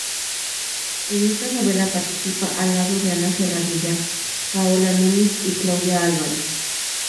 En esta novela participa al lado de Ana Serradilla, Paola Núñez y Claudia Álvarez.